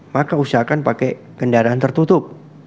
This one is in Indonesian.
maka usahakan pakai kendaraan tertutup